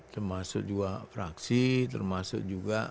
termasuk juga fraksi termasuk juga